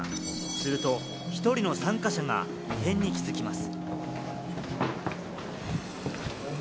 すると１人の参加者が異変に気づきます。